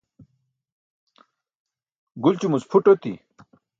gulćumuc phuṭ oti